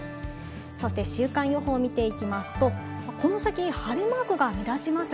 そして週間予報を見ていきますと、この先、晴れマークが目立ちます。